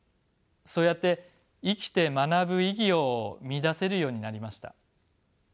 そうやって生きて学ぶ意義を見いだせるようになりました。